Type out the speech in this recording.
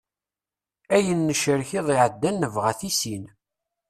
Ayen necrek iḍ iɛeddan nebɣa-t i sin.